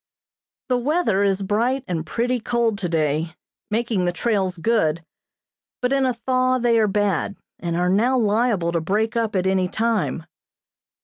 The weather is bright and pretty cold today, making the trails good, but in a thaw they are bad and are now liable to break up at any time.